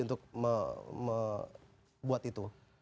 untuk membuat itu